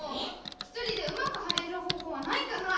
ひとりでうまくはれるほうほうはないかな？